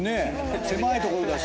狭い所だし。